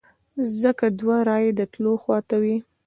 ځکه دوه رایې د تلو خواته وې.